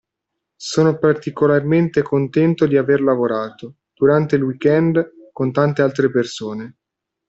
Sono particolarmente contento di aver lavorato, durante il weekend, con tante altre persone.